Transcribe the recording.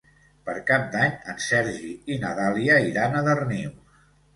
Per Cap d'Any en Sergi i na Dàlia iran a Darnius.